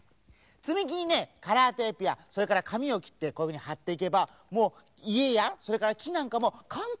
つみきにねカラーテープやそれからかみをきってこういうふうにはっていけばもういえやそれからきなんかもかんたんにできちゃうからね。